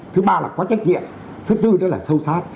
thứ ba là có trách nhiệm thứ tư đó là sâu sát